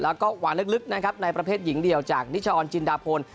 แล้วก็หวานลึกนะครับในประเภทหญิงเดี่ยวจากนิชออนจินดาพล